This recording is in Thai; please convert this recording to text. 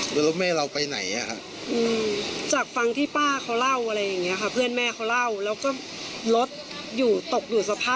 มันไม่ใช่ปฏิเหตุแน่